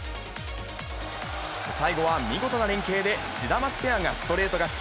最後な見事な連係で、シダマツペアがストレート勝ち。